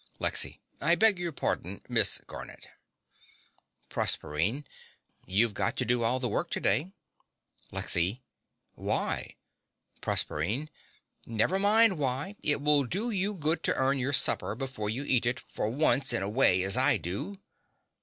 LEXY. I beg your pardon Miss Garnett. PROSERPINE. You've got to do all the work to day. LEXY. Why? PROSERPINE. Never mind why. It will do you good to earn your supper before you eat it, for once in a way, as I do.